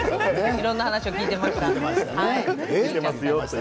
いろんな話を聞いていました。